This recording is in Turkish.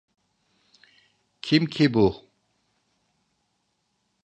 Kim ki bu?